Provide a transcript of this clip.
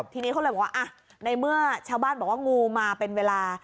ทีนี้เขาเลยบอกว่าในเมื่อชาวบ้านบอกว่างูมาเป็นเวลา